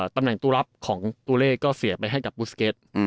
ตำแหน่งตัวรับของตัวเลขก็เสียไปให้กับบุสเก็ต